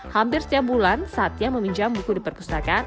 hampir setiap bulan satya meminjam buku di perpustakaan